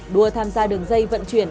đua tham gia đường dây vận chuyển